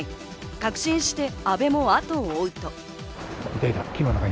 確信して阿部も後を追うと。